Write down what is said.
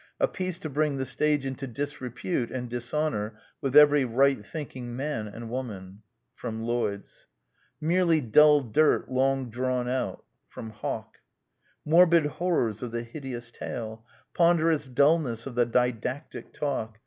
... A piece to bring the stage into disrepute and dishonour with every right thinking man and woman." Lloyd's. " Merely dull dirt long drawn out." Hawk. '' Morbid horrors of the hideous tale. .•. Ponderous dulness of the didactic talk.